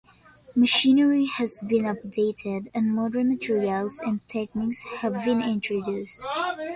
Machinery has been updated and modern materials and techniques have been introduced.